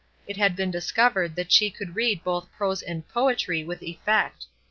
It had been discovered that she could read both prose and poetry with effect.